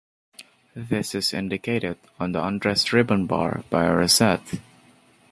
This is indicated on the undress ribbon bar by a rosette.